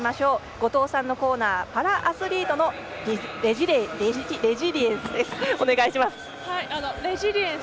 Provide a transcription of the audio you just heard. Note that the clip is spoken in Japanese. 後藤さんのコーナーパラアスリートのレジリエンス。